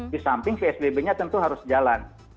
disamping psbb nya tentu harus jalan